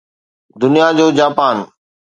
دنيا جو جاپان